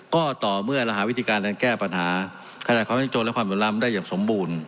ก็ต่อเมื่อเราหาวิธีการทางแก้ปัญหาขนาดความจริงจนและความเหลื้มได้อย่างสมบูรณ์